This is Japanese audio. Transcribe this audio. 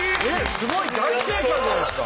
すごい！大正解じゃないですか！